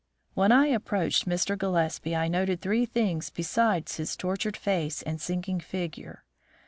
"When I approached Mr. Gillespie I noted three things besides his tortured face and sinking figure.